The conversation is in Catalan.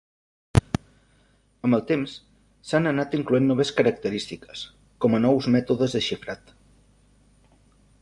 Amb el temps, s'han anat incloent noves característiques, com a nous mètodes de xifrat.